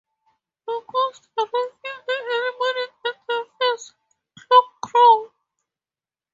The ghosts arrive in the early morning at the first cockcrow.